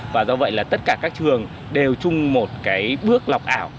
và do vậy là tất cả các trường đều chung một cái bước lọc ảo